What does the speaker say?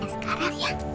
cik deskara ya